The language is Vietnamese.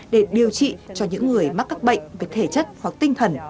để điều trị cho những người mắc các bệnh về thể chất hoặc tinh thần